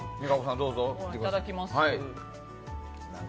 いただきます。